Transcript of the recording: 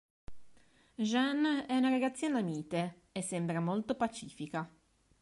Jeanne è una ragazzina mite, e sembra molto pacifica.